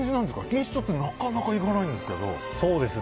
錦糸町ってなかなか行かないんですけど。